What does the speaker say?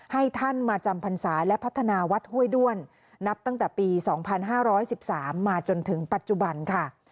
ให้ท่านมาจำพรรษาและพัฒนาวัดห้วยด้วนนับตั้งแต่ปี๒๕๑๓มาจนถึงปัจจุบันค่ะ